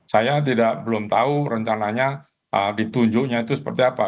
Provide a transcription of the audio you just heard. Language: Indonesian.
saya belum tahu rencananya ditunjuknya itu seperti apa